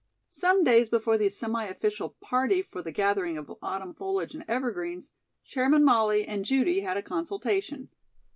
Some days before the semi official party for the gathering of autumn foliage and evergreens, Chairman Molly and Judy had a consultation.